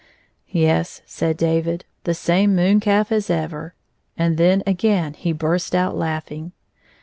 " Yes," said David, " the same moon calf as ever," and then again he burst out laughing.